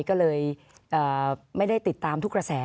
ขอบคุณครับ